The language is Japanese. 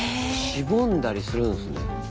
しぼんだりするんですね。